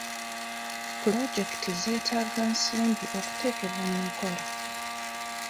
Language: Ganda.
Puloojekiti zeetaaga nsimbi okuteekebwa mu nkola.